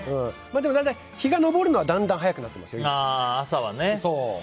でも、日が昇るのはだんだん早くなっていますね朝は。